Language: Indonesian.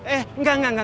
eh enggak enggak enggak